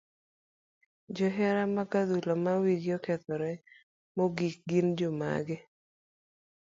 Johera mag adhula ma wigi okethore mogik gin jomage?